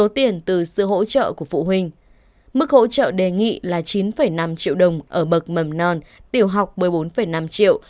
từ sư hỗ trợ của phụ huynh mức hỗ trợ đề nghị là chín năm triệu đồng ở bậc mầm non tiểu học một mươi bốn năm triệu